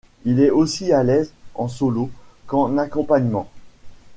Il est aussi à l'aise en solo qu'en accompagnement.